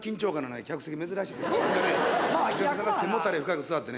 お客さんが背もたれ深く座ってね。